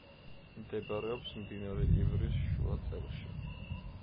მდებარეობს მდინარე ივრის შუა წელში.